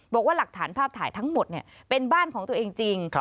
บอกว่าหลักฐานภาพถ่ายทั้งหมดเป็นบ้านของตัวเองจริง